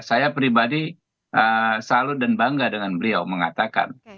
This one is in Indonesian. saya pribadi selalu dan bangga dengan beliau mengatakan